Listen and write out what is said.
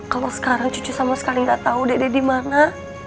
kalau sekarang cucu sama sekali nggak tahu dede di mana